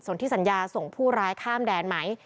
ส่วนที่สัญญาส่งผู้ร้ายข้ามแดนไหม